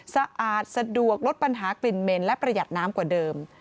สะอาดสะดวกลดปัญหากลิ่นเหม็นและประหยัดน้ำกว่าเดิม